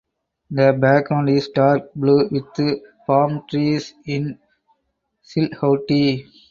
The background is dark blue with palm trees in silhouette.